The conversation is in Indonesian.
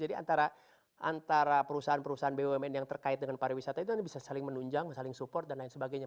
karena antara perusahaan perusahaan bumn yang terkait dengan pariwisata itu bisa saling menunjang saling support dan lain sebagainya